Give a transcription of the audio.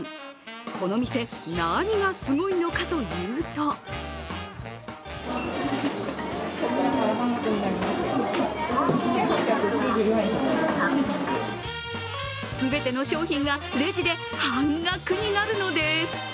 この店、何がすごいのかというと全ての商品がレジで半額になるのです。